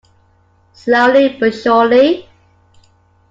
Slowly but surely.